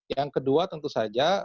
yang kedua tentu saja